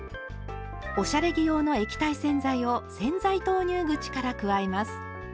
おしゃれ着用の液体洗剤を洗剤投入口から加えます。